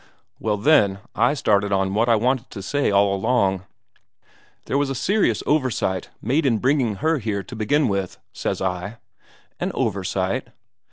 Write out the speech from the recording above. "Well, then, I started on what I wanted to say all along. 'There was a serious oversight made in bringing her here to begin with,' said I. 'An oversight?'